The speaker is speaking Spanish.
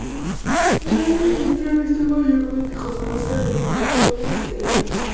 El área central está mayormente compuesta de farallones de granito.